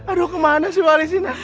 aduh kemana sih wali sini